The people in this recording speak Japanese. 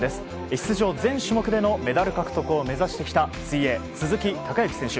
出場全種目でのメダル獲得を目指してきた水泳、鈴木孝幸選手。